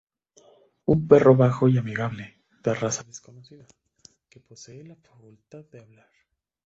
Un perro bajo y amigable, de raza desconocida, que posee la facultad de hablar.